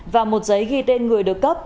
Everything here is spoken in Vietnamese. và một giấy ghi tên người được cấp